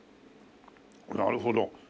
なるほど。